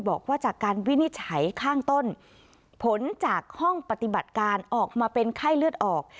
บอกว่าจากการวินิจฉัยข้างต้นผลจากห้องปฏิบัติการออกมาเป็นไข้เลือดออก